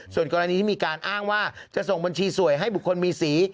ส่วนกรณีที่มีการอ้างว่าจะส่งบัญชีสวยให้บุคคลมีสี